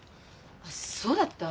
あっそうだった？